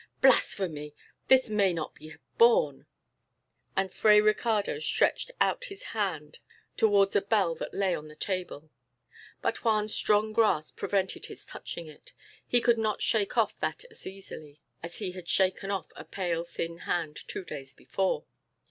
"Blasphemy! This may not be borne," and Fray Ricardo stretched out his hand towards a bell that lay on the table. But Juan's strong grasp prevented his touching it. He could not shake off that as easily as he had shaken off a pale thin hand two days before.